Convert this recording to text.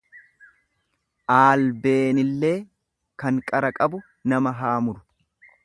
Aalbeenillee kan qara qabu nama haa muru.